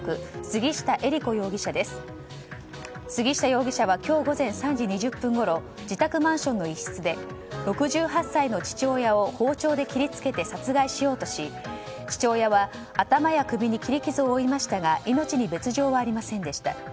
杉下容疑者は今日午前３時２０分ごろ自宅マンションの一室で６８歳の父親を包丁で切り付けて殺害しようとし父親は頭や首に切り傷を負いましたが命に別条はありませんでした。